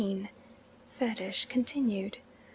FETISH (continued).